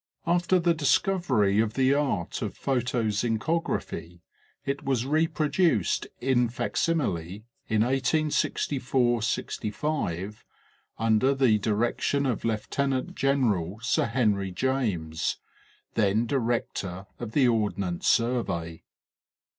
After the discovery of the art of photozincography it was reproduced "in facsimile "' in 1864 5, under the direction of Lieut. Gen'l. Sir Henry James, then director of the Ordnance Survey.